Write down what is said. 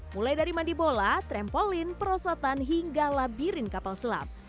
mulai dari mandi bola trampolin perosotan hingga labirin kapal selam